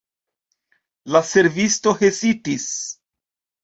La servisto hezitis.